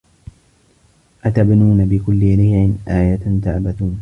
أَتَبنونَ بِكُلِّ ريعٍ آيَةً تَعبَثونَ